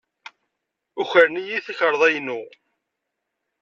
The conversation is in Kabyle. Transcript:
Ukren-iyi takarḍa-inu.